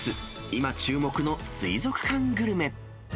今注目の水族館グルメ。